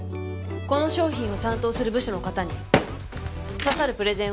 この商品を担当する部署の方に刺さるプレゼンを教えてください。